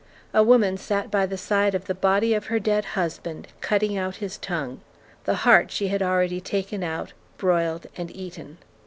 A woman sat by the side of the body of her dead husband cutting out his tongue; the heart she had already taken out, broiled, and eaten.